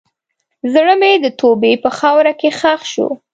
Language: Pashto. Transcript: زړه مې د توبې په خاوره کې ښخ شو.